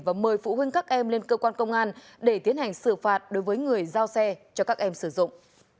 và mời phụ huynh các em lên cơ quan công an để tiến hành xử phạt đối với người giao xe cho các em sử dụng